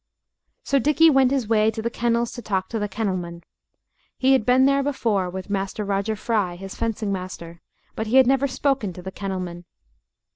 So Dickie went his way to the kennels to talk to the kennelman. He had been there before with Master Roger Fry, his fencing master, but he had never spoken to the kennelman.